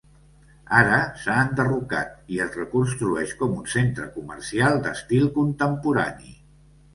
Ara s'ha enderrocat i es reconstrueix com un centre comercial d'estil contemporani.